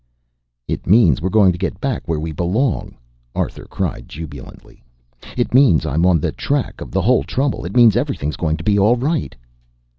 "It means we're going to get back where we belong," Arthur cried jubilantly. "It means I'm on the track of the whole trouble. It means everything's going to be all right."